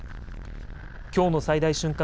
きょうの最大瞬間